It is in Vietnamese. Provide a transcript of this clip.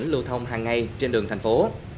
lưu thông hàng ngày trên đường thành phố